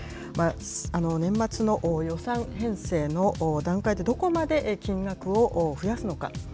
年末の予算編成の段階で、どこまで金額を増やすのか。